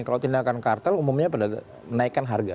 kalau tindakan kartel umumnya pada menaikkan harga